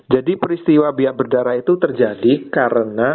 peristiwa biak berdarah itu terjadi karena